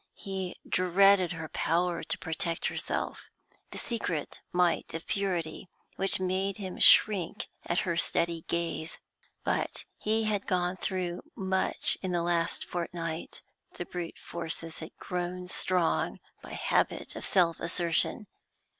He dreaded her power to protect herself, the secret might of purity which made him shrink at her steady gaze. But he had gone through much in the last fortnight the brute forces had grown strong by habit of self assertion.